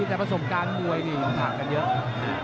แต่ผสมการมวยผ่ากันเยอะ